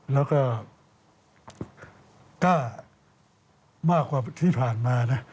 แล้วก็กล้ามากกว่าที่ผ่านมานะ